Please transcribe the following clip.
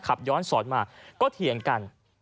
ขับย้อนสอนมาก็เถียงกัน